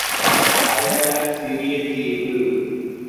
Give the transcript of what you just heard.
Ireland சிறிய தீவு.